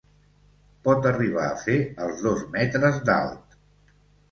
Pot arribar a fer els dos metres d'alt.